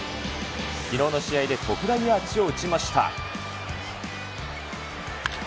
きのうの試合で特大のアーチを打ちました。